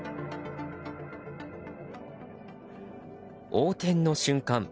横転の瞬間